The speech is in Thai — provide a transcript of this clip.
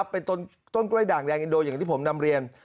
เป็นต้นกล้วยด่างแดงอินโดอย่างที่ผมนำเรียน